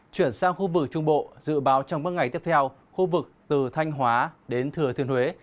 chuyển sang khu vực trung bộ dự báo trong ba ngày tiếp theo khu vực từ thanh hóa đến thừa thiên huế